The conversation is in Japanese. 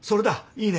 いいね！